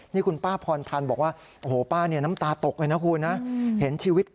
นี่คุณป้าพรพันธ์บอกว่าโอ้โหป้าเนี่ยน้ำตาตกเลยนะคุณนะเห็นชีวิต